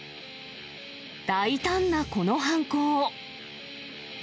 大胆なこの犯行。